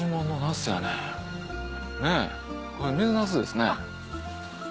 これ水なすですね。